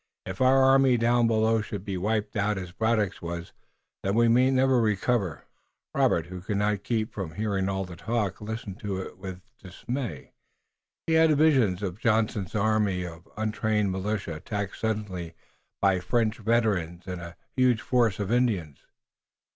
If our army down below should be wiped out as Braddock's was, then we might never recover!" Robert, who could not keep from hearing all the talk, listened to it with dismay. He had visions of Johnson's army of untrained militia attacked suddenly by French veterans and a huge force of Indians.